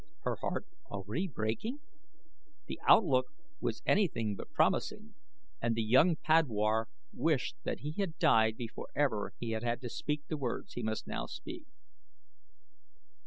Her heart already breaking! The outlook was anything but promising, and the young padwar wished that he had died before ever he had had to speak the words he now must speak.